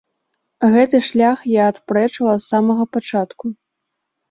Гэты шлях я адпрэчыла з самага пачатку.